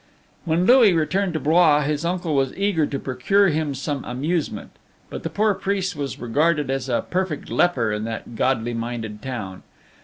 When Louis returned to Blois, his uncle was eager to procure him some amusement; but the poor priest was regarded as a perfect leper in that godly minded town.